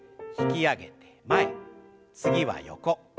引き上げて前次は横。